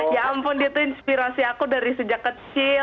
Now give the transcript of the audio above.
ya ampun dia tuh inspirasi aku dari sejak kecil